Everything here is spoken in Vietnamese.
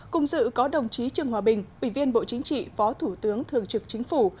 cùng dự có đồng chí trương hòa bình ủy viên bộ chính trị phó thủ tướng thường trực chính phủ